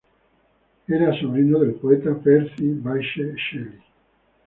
Era sobrino del poeta Percy Bysshe Shelley.